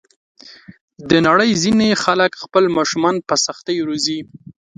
د نړۍ ځینې خلک خپل ماشومان په سختۍ روزي.